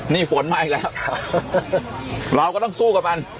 นี่ฝนมาอีกแล้วเราก็ต้องสู้กับมัน